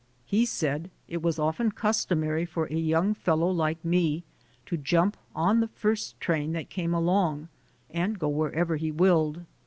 He said it was often customary for a young fellow like me to jump on the first train that came along and go wherever he willed.